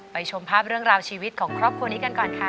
ชมภาพเรื่องราวชีวิตของครอบครัวนี้กันก่อนค่ะ